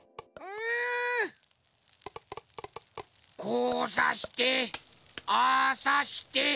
こうさしてああさして。